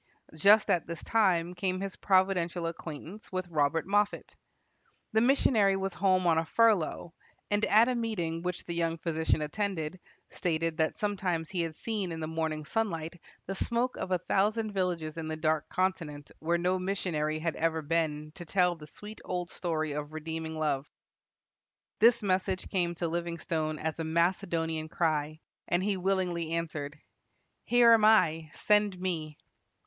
Just at this time came his providential acquaintance with Robert Moffat. The missionary was home on a furlough, and at a meeting which the young physician attended, stated that sometimes he had seen in the morning sunlight the smoke of a thousand villages in the Dark Continent where no missionary had ever been to tell the sweet old story of redeeming love. This message came to Livingstone as a Macedonian cry, and he willingly answered, "Here am I; send me."